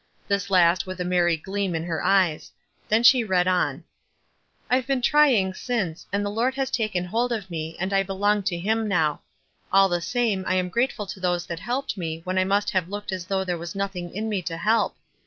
This last with a merry gleam in hei eyes ; then she read on : "I've been trying since, and the Lord has taken hold of me, and I belong to him now; all the same I am grateful to those that helped me when I must have looked as though there was nothing in me to help.